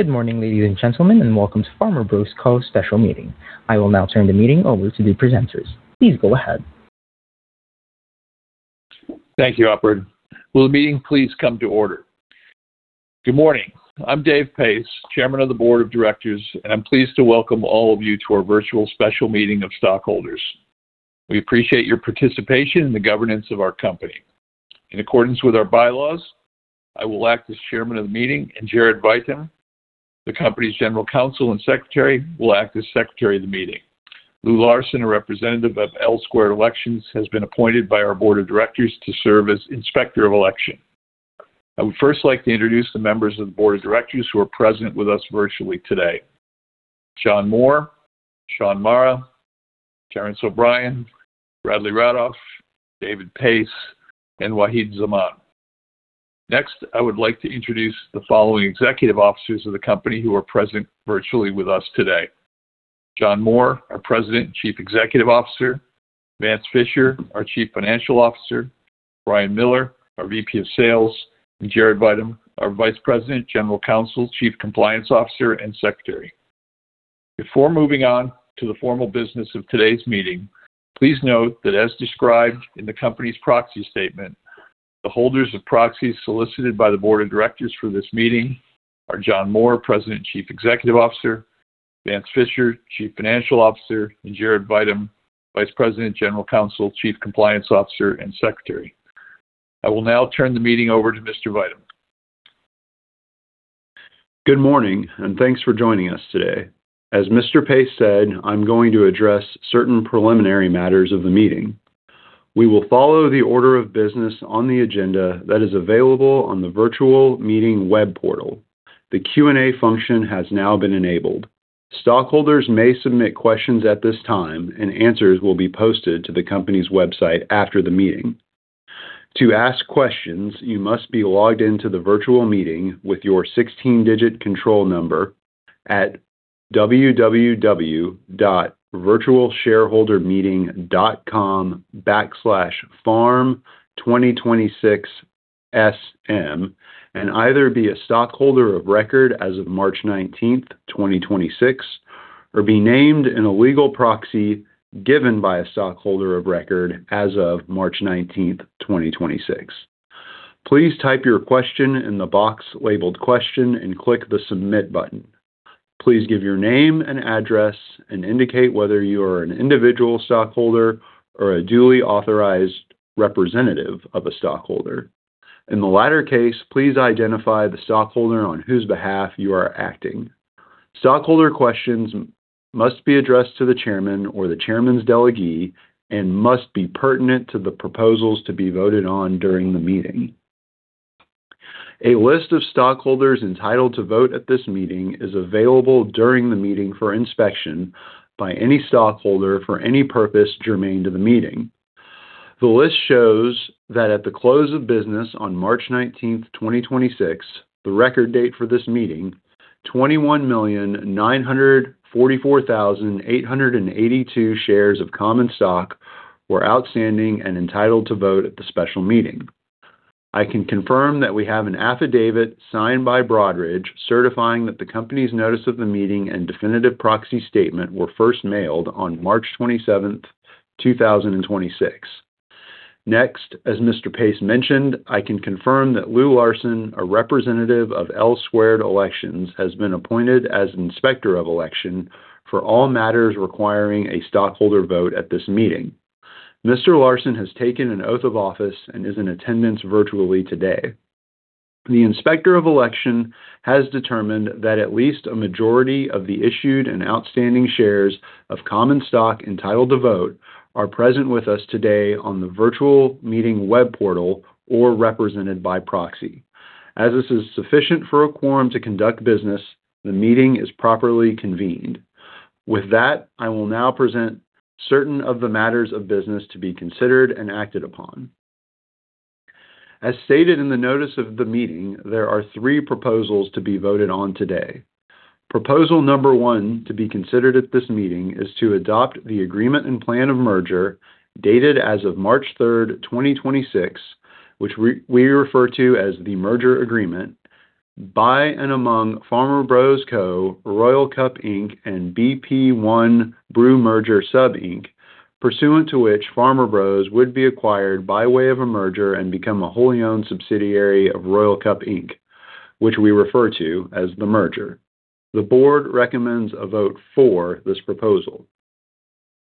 Good morning, ladies and gentlemen, and welcome to Farmer Bros. Co.'s special meeting. I will now turn the meeting over to the presenters. Please go ahead. Thank you, Alfred. Will the meeting please come to order? Good morning. I'm David Pace, Chairman of the Board of Directors, and I'm pleased to welcome all of you to our virtual special meeting of stockholders. We appreciate your participation in the governance of our company. In accordance with our bylaws, I will act as Chairman of the meeting, and Jared Vitemb, the company's General Counsel and Secretary, will act as Secretary of the meeting. Lou Larson, a representative of L Squared Elections, has been appointed by our Board of Directors to serve as Inspector of Election. I would first like to introduce the members of the Board of Directors who are present with us virtually today. John Moore, Shaun Mara, Terry O'Brien, Bradley Radoff, David Pace, and Waheed Zaman. I would like to introduce the following executive officers of the company who are present virtually with us today. John Moore, our President and Chief Executive Officer, Vance Fisher, our Chief Financial Officer, Brian Miller, our VP of Sales, and Jared Vitemb, our Vice President, General Counsel, Chief Compliance Officer, and Secretary. Before moving on to the formal business of today's meeting, please note that as described in the company's proxy statement, the holders of proxies solicited by the Board of Directors for this meeting are John Moore, President Chief Executive Officer, Vance Fisher, Chief Financial Officer, and Jared Vitemb, Vice President, General Counsel, Chief Compliance Officer, and Secretary. I will now turn the meeting over to Mr. Vitemb. Good morning. Thanks for joining us today. As Mr. Pace said, I'm going to address certain preliminary matters of the meeting. We will follow the order of business on the agenda that is available on the virtual meeting web portal. The Q&A function has now been enabled. Stockholders may submit questions at this time, and answers will be posted to the company's website after the meeting. To ask questions, you must be logged in to the virtual meeting with your 16-digit control number at www.virtualshareholdermeeting.com/farm2026SM m and either be a stockholder of record as of March 19th, 2026 or be named in a legal proxy given by a stockholder of record as of March 19th, 2026. Please type your question in the box labeled Question and click the Submit button. Please give your name and address and indicate whether you are an individual stockholder or a duly authorized representative of a stockholder. In the latter case, please identify the stockholder on whose behalf you are acting. Stockholder questions must be addressed to the chairman or the chairman's delegee and must be pertinent to the proposals to be voted on during the meeting. A list of stockholders entitled to vote at this meeting is available during the meeting for inspection by any stockholder for any purpose germane to the meeting. The list shows that at the close of business on March 19, 2026, the record date for this meeting, 21,944,882 shares of common stock were outstanding and entitled to vote at the special meeting. I can confirm that we have an affidavit signed by Broadridge certifying that the company's notice of the meeting and definitive proxy statement were first mailed on March 27, 2026. As Mr. Pace mentioned, I can confirm that Lou Larson, a representative of L Squared Elections, has been appointed as Inspector of Election for all matters requiring a stockholder vote at this meeting. Mr. Larson has taken an oath of office and is in attendance virtually today. The Inspector of Election has determined that at least a majority of the issued and outstanding shares of common stock entitled to vote are present with us today on the virtual meeting web portal or represented by proxy. This is sufficient for a quorum to conduct business, the meeting is properly convened. With that, I will now present certain of the matters of business to be considered and acted upon. As stated in the notice of the meeting, there are three proposals to be voted on today. Proposal number 1 to be considered at this meeting is to adopt the agreement and plan of merger dated as of March 3, 2026, which we refer to as the merger agreement, by and among Farmer Bros. Co., Royal Cup, Inc., and BP I Brew Merger Sub Inc., pursuant to which Farmer Bros. would be acquired by way of a merger and become a wholly owned subsidiary of Royal Cup, Inc., which we refer to as the merger. The board recommends a vote for this proposal.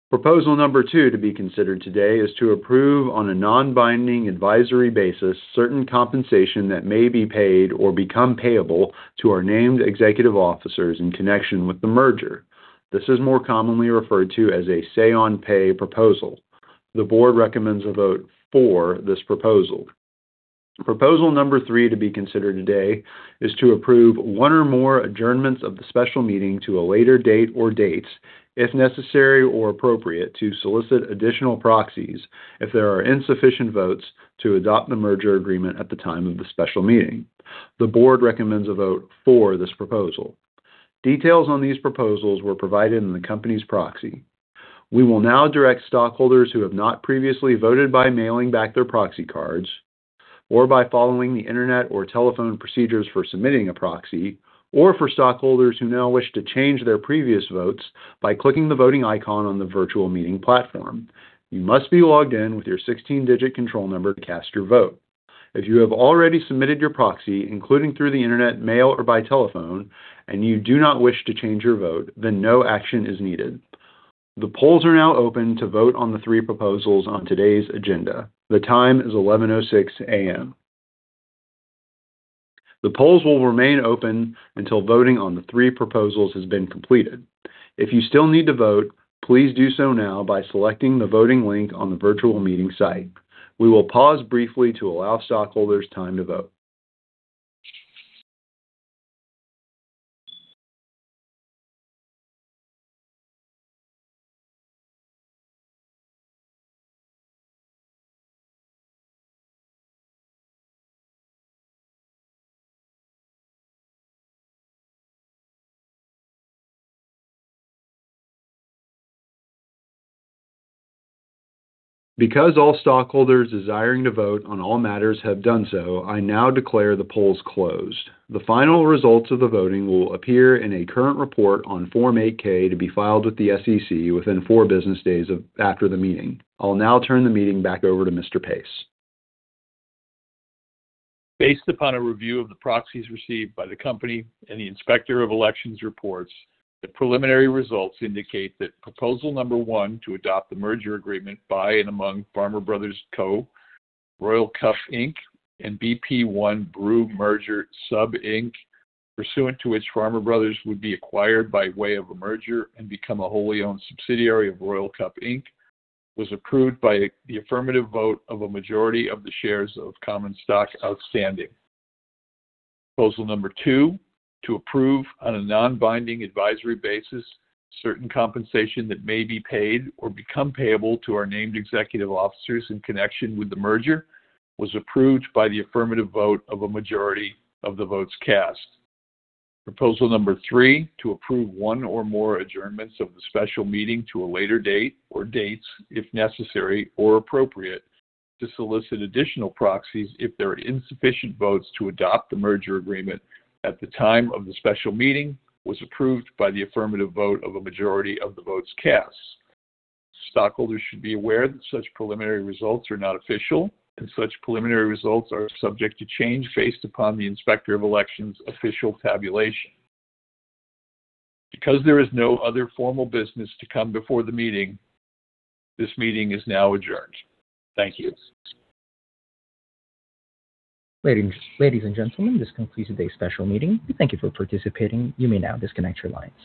Proposal number 2 to be considered today is to approve on a non-binding advisory basis certain compensation that may be paid or become payable to our named executive officers in connection with the merger. This is more commonly referred to as a say on pay proposal. The board recommends a vote for this proposal. Proposal number 3 to be considered today is to approve one or more adjournments of the special meeting to a later date or dates if necessary or appropriate to solicit additional proxies if there are insufficient votes to adopt the merger agreement at the time of the special meeting. The board recommends a vote for this proposal. Details on these proposals were provided in the company's proxy. We will now direct stockholders who have not previously voted by mailing back their proxy cards or by following the internet or telephone procedures for submitting a proxy, or for stockholders who now wish to change their previous votes by clicking the voting icon on the virtual meeting platform. You must be logged in with your 16-digit control number to cast your vote. If you have already submitted your proxy, including through the internet, mail, or by telephone, and you do not wish to change your vote, then no action is needed. The polls are now open to vote on the three proposals on today's agenda. The time is 11:06 A.M. The polls will remain open until voting on the three proposals has been completed. If you still need to vote, please do so now by selecting the voting link on the virtual meeting site. We will pause briefly to allow stockholders time to vote. Because all stockholders desiring to vote on all matters have done so, I now declare the polls closed. The final results of the voting will appear in a current report on Form 8-K to be filed with the SEC within four business days after the meeting. I'll now turn the meeting back over to Mr. Pace. Based upon a review of the proxies received by the company and the Inspector of Election reports, the preliminary results indicate that Proposal 1, to adopt the merger agreement by and among Farmer Bros. Co., Royal Cup, Inc., and BP I Brew Merger Sub Inc., pursuant to which Farmer Bros. would be acquired by way of a merger and become a wholly owned subsidiary of Royal Cup, Inc., was approved by the affirmative vote of a majority of the shares of common stock outstanding. Proposal 2, to approve on a non-binding advisory basis certain compensation that may be paid or become payable to our named executive officers in connection with the merger, was approved by the affirmative vote of a majority of the votes cast. Proposal number 3, to approve one or more adjournments of the special meeting to a later date or dates, if necessary or appropriate to solicit additional proxies if there are insufficient votes to adopt the merger agreement at the time of the special meeting, was approved by the affirmative vote of a majority of the votes cast. Stockholders should be aware that such preliminary results are not official, and such preliminary results are subject to change based upon the Inspector of Elections official tabulation. Because there is no other formal business to come before the meeting, this meeting is now adjourned. Thank you. Ladies and gentlemen, this concludes today's special meeting. We thank you for participating. You may now disconnect your lines.